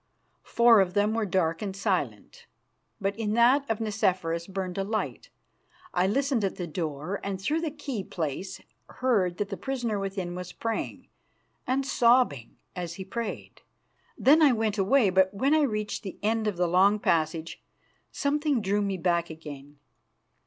Four of them were dark and silent, but in that of Nicephorus burned a light. I listened at the door, and through the key place heard that the prisoner within was praying, and sobbing as he prayed. Then I went away; but when I reached the end of the long passage something drew me back again.